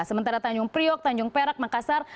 sementara tanjung priok tanjung perak makassar